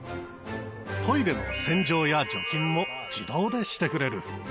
トイレの洗浄や除菌も自動でしてくれる。